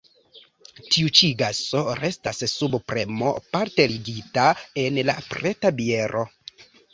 Tiu ĉi gaso restas sub premo parte ligita en la preta biero.